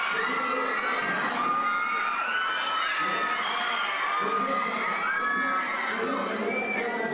สวัสดีครับ